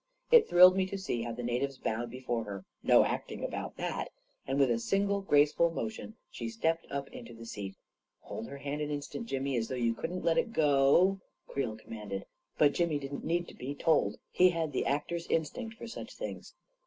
It thrilled me to see how the natives bowed before her — no acting about that. And with a single grace ful motion, she stepped up into the seat. " Hold her hand an instant, Jimmy, as though you couldn't let it go," Creel commanded; but Jimmy didn't need to be told — he had the actor's instinct for such things